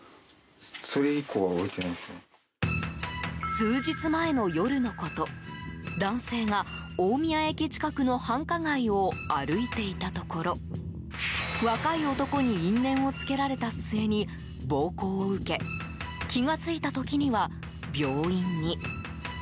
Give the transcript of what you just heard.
数日前の夜のこと男性が大宮駅近くの繁華街を歩いていたところ若い男に因縁をつけられた末に暴行を受け気が付いた時には病院に。